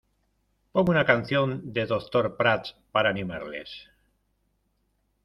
Pon una canción de Doctor Prats para animarles.